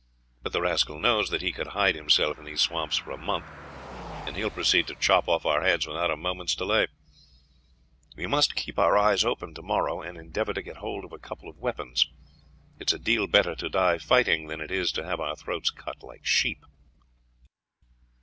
But the rascal knows that he could hide himself in these swamps for a month, and he will proceed to chop off our heads without a moment's delay. We must keep our eyes open tomorrow, and endeavor to get hold of a couple of weapons. It is a deal better to die fighting than it is to have our throats cut like sheep."